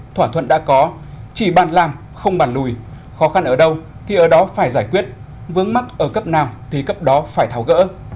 thỏa thuận đã có chỉ bàn làm không bàn lùi khó khăn ở đâu thì ở đó phải giải quyết vướng mắc ở cấp nào thì cấp đó phải tháo gỡ